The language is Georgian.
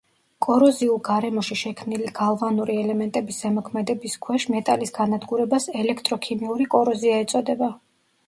კოროზიულ გარემოში შექმნილი გალვანური ელემენტების ზემოქმედების ქვეშ მეტალის განადგურებას ელექტროქიმიური კოროზია ეწოდება.